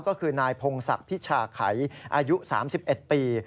ก็คือนายพงศักดิ์พิชาไขอายุ๓๑ปี